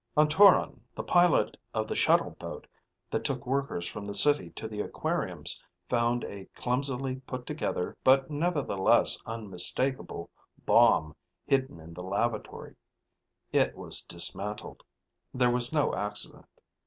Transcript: On Toron, the pilot of the shuttle boat that took workers from the city to the aquariums found a clumsily put together, but nevertheless unmistakable, bomb hidden in the lavatory. It was dismantled. There was no accident.